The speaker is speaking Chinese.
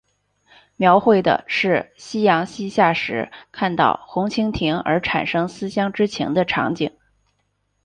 描绘的是夕阳西下时看到红蜻蜓而产生思乡之情的场景。